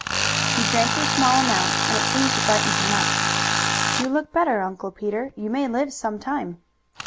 He drank a small amount, and it seemed to brighten him up. "You look better, Uncle Peter. You may live some time."